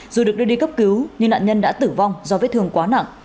dù được đưa đi cấp cứu nhưng nạn nhân đã tử vong do vết thương quá nặng